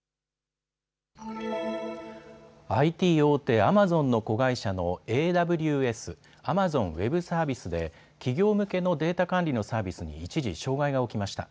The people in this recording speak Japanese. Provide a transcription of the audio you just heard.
ＩＴ大手、アマゾンの子会社のＡＷＳ・アマゾンウェブサービスで企業向けのデータ管理のサービスに一時障害が起きました。